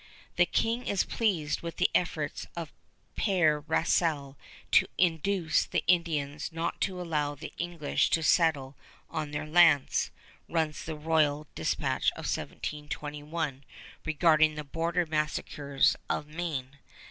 "The King is pleased with the efforts of Père Rasle to induce the Indians not to allow the English to settle on their lands," runs the royal dispatch of 1721 regarding the border massacres of Maine.